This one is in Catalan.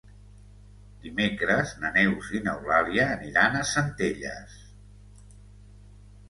Dimecres na Neus i n'Eulàlia aniran a Centelles.